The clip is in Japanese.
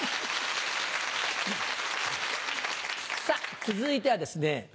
さぁ続いてはですね